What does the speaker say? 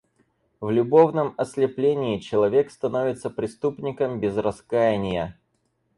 В любовном ослеплении человек становится преступником без раскаяния.